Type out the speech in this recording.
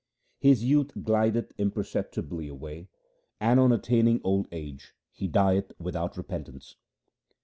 His youth glideth imperceptibly away, and on attaining old age he dieth without repentance.